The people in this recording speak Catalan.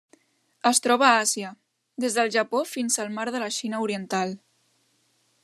Es troba a Àsia: des del Japó fins al Mar de la Xina Oriental.